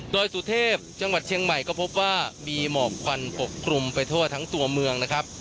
โดยสุเทพจังหวัดเชียงใหม่ก็พบว่ามีหมอกควันปกคลุมไปทั่วทั้งตัวเมืองนะครับ